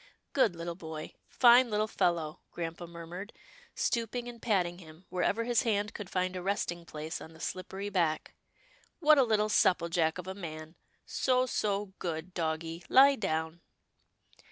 " Good little boy, fine little fellow," grampa mur mured, stooping and patting him, wherever his hand could find a resting place on the slippery back. " What a little supple jack of a man. So, so, good doggie, lie down."